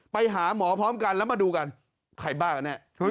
ไปหาหมอพร้อมกันแล้วมาดูกันใครบ้ากันแน่